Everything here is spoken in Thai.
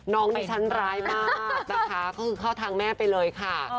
น้องดิฉันร้ายมากนะคะก็คือเข้าทางแม่ไปเลยค่ะ